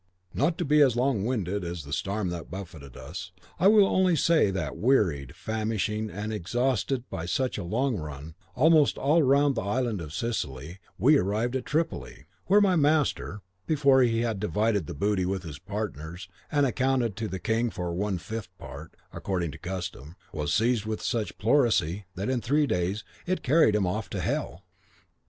Not to be as long winded as the storm that buffeted us, I will only say that wearied, famishing, and exhausted by such a long run, almost all round the island of Sicily, we arrived at Tripoli, where my master, before he had divided the booty with his partners, and accounted to the king for one fifth part, according to custom, was seized with such a pleurisy that in three days it carried him off to hell.